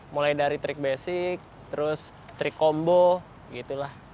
mulai dari trik basic terus trik kombo gitu lah